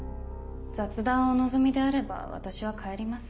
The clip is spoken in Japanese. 雑談をお望みであれば私は帰ります。